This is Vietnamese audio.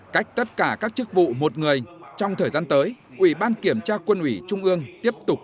cách tất cả các chức vụ một người trong thời gian tới ủy ban kiểm tra quân ủy trung ương tiếp tục